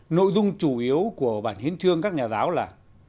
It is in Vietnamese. nội dung chủ yếu của bản hiến chương các nhà giáo là